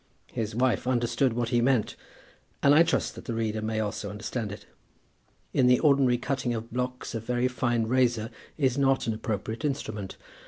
His wife understood what he meant, and I trust that the reader may also understand it. In the ordinary cutting of blocks a very fine razor is not an appropriate instrument.